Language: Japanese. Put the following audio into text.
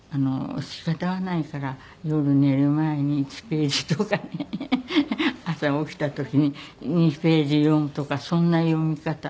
仕方がないから夜寝る前に１ページとかね朝起きた時に２ページ読むとかそんな読み方。